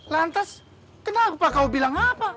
lantas kenapa kau bilang apa